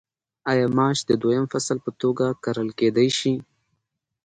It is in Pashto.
آیا ماش د دویم فصل په توګه کرل کیدی شي؟